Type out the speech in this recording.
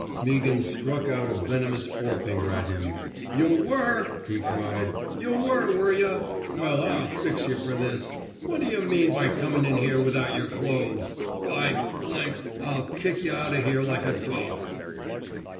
'* Meaghan struck out a venomous forefinger at him. Yuh were/^ he cried. Yuh were, were yuhf Well, 1*11 fix yuh fer this. What d'yuh mean by comin* in here without yer clothes! By , 1*11 kick y* out o* here like a dog!